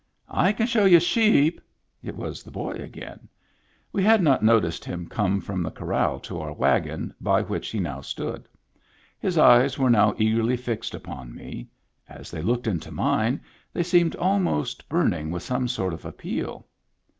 " I can show you sheep." It was the boy again. We had not noticed him come from the corraltoourwagon, by which he now stood. His eyes were now eagerly fixed upon me; as they looked into mine they seemed almost burning with some sort of appeal.